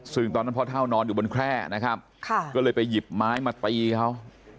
ซึ่งตอนนั้นพ่อเท่านอนอยู่บนแคร่นะครับก็เลยไปหยิบไม้มาตีเขา